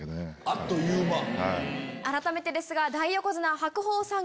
改めてですが。